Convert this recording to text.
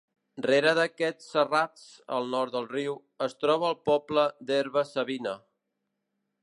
Rere d'aquests serrats, al nord del riu, es troba el poble d'Herba-savina.